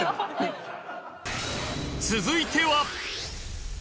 続いては。